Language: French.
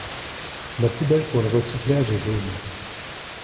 La poubelle pour le recyclage est jaune.